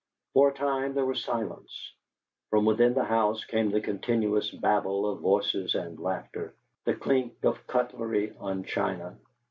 For a time there was silence. From within the house came the continuous babble of voices and laughter, the clink of cutlery on china.